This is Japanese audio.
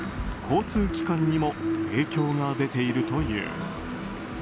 交通機関にも影響が出ているという。